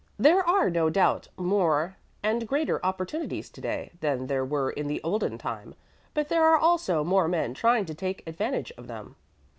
There are, no doubt, more and greater opportunities to day than there were in the olden time, but there are also more men trying to take advantage of them.